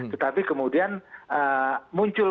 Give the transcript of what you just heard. tetapi kemudian muncul